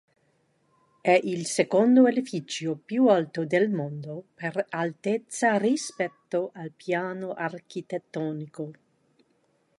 È il secondo edificio più alto del mondo per altezza rispetto al piano architettonico.